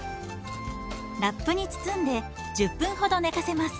ラップに包んで１０分ほど寝かせます。